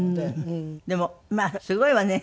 でもまあすごいわね。